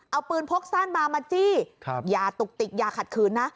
เอาปืนพกสั้นมามาจี้อย่าตุกติกอย่าขัดขืนนะ